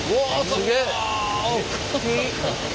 すげえ！